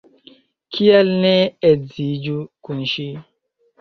Kial ne edziĝu kun ŝi?